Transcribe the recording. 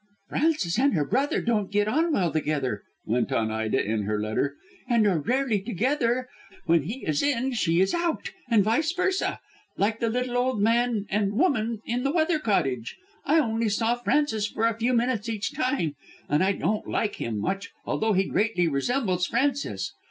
"Frances and her brother don't get on well together," went on Ida in her letter, "and are rarely together. When he is in she is out, and vice versâ, like the little old man and woman in the weather cottage. I only saw Francis for a few minutes each time and I don't like him much, although he greatly resembles Frances.